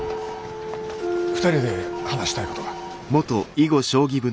２人で話したい事が。